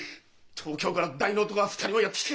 東京から大の男が２人もやって来て。